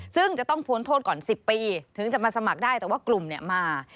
ซึ่งจะต้องพ้นโทษก่อน๑๐ปีถึงจะมาสมัครได้แต่ว่ากลุ่มเนี่ยมา